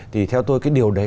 thì theo tôi cái điều đấy